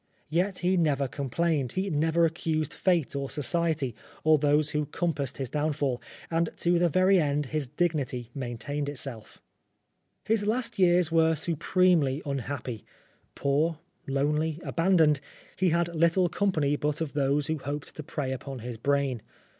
Yet he never complained, he never accused fate or Society, or those who compassed his downfall, and to the very end his dignity maintained itself. 254 Oscar Wilde His last years were supremely unhappy. Poor, lonely, abandoned, he had little com pany but of those who hoped to prey upon his brain.